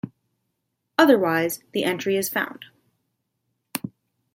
Otherwise, the entry is found.